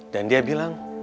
dan dia bilang